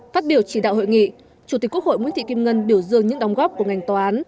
phát biểu chỉ đạo hội nghị chủ tịch quốc hội nguyễn thị kim ngân biểu dương những đóng góp của ngành tòa án